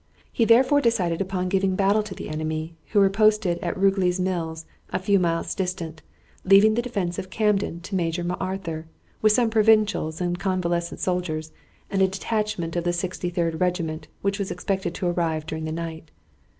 He therefore decided upon giving battle to the enemy, who were posted at Rugeley's Mills, a few miles distant, leaving the defense of Camden to Major M'Arthur, with some provincials and convalescent soldiers and a detachment of the Sixty third Regiment, which was expected to arrive during the night.